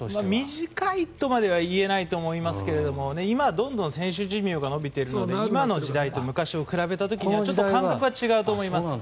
短いとまでは言えないと思いますが今、どんどん選手寿命が延びているので今の時代と昔を比べた時に感覚は違うと思います。